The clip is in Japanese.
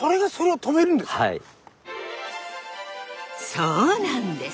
そうなんです。